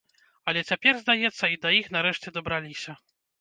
Але цяпер, здаецца, і да іх нарэшце дабраліся.